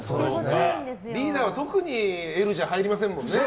リーダーは特にＬじゃ入りませんもんね。